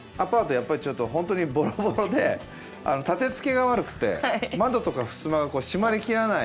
やっぱりちょっと本当にボロボロで立てつけが悪くて窓とかふすまがこう閉まりきらない。